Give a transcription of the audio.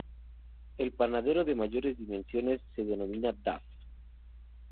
El pandero de mayores dimensiones se denomina daf.